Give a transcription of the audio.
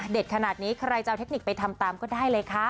ขนาดนี้ใครจะเอาเทคนิคไปทำตามก็ได้เลยค่ะ